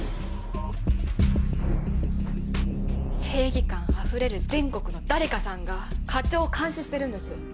正義感あふれる全国の誰かさんが課長を監視してるんです。